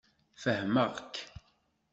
Fehmeɣ-k.